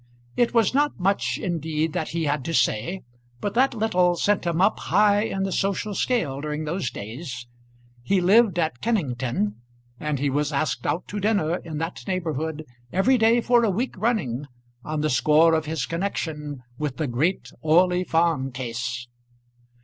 It was not much indeed that he had to say, but that little sent him up high in the social scale during those days. He lived at Kennington, and he was asked out to dinner in that neighbourhood every day for a week running, on the score of his connection with the great Orley Farm case.